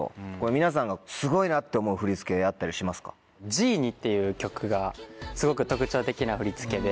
皆さんがすごいなって思う振り付けあったりしますか？っていう曲がすごく特徴的な振り付けで。